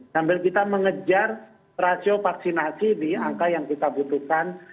sambil kita mengejar rasio vaksinasi di angka yang kita butuhkan